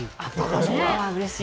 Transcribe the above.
うれしい。